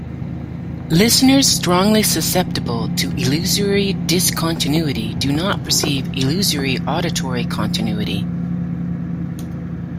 Listeners strongly susceptible to illusory discontinuity do not perceive illusory auditory continuity.